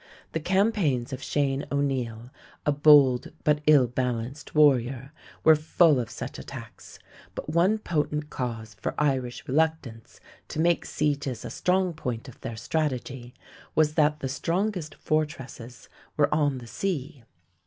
The campaigns of Shane O'Neill, a bold but ill balanced warrior, were full of such attacks, but one potent cause for Irish reluctance to make sieges a strong point of their strategy was that the strongest fortresses were on the sea.